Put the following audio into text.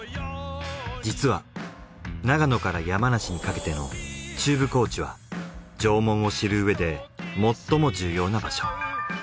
実は長野から山梨にかけての中部高地は縄文を知るうえで最も重要な場所。